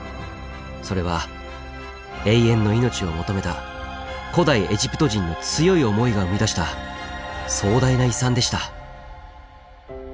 それは永遠の命を求めた古代エジプト人の強い思いが生み出した壮大な遺産でした。